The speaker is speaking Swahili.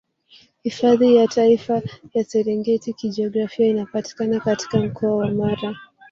Hifadhi ya Taifa ya Serengeti Kijiografia inapatikana katika mkoa wa Mara